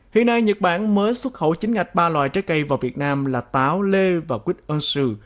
hiện nay nhật bản mới xuất khẩu chính ngạch ba loại trái cây vào việt nam là táo lê và quýt unsu